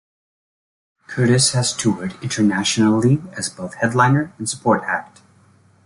Curtis has toured internationally as both headliner and support act.